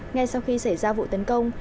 ngay sau khi xảy ra vụ tấn công